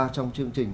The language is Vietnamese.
trong chương trình